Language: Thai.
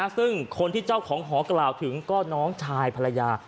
ซึ่งคนที่เจ้าของหอกล่าวถึงก็น้องชายภรรยา